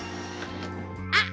あっ！